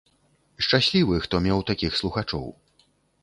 Шчаслівы, хто меў такіх слухачоў.